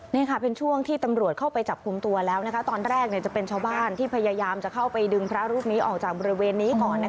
นี่ค่ะเป็นช่วงที่ตำรวจเข้าไปจับกลุ่มตัวแล้วตอนแรกจะเป็นชาวบ้านที่พยายามจะเข้าไปดึงพระรูปนี้ออกจากบริเวณนี้ก่อน